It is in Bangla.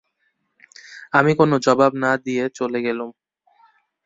আমি কোনো জবাব না দিয়ে চলে গেলুম।